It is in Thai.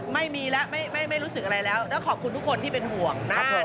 ไม่มีแล้วไม่รู้สึกอะไรแล้วแล้วขอบคุณทุกคนที่เป็นห่วงน่ากลัว